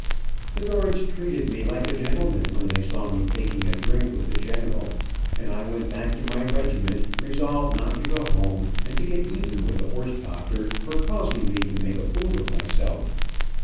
The guards treated me like a gentleman when they saw me taking a drink with the general, and I went back to my regiment, resolved not to go home, and to get even with the horse doctor for causing me to make a fool of myself.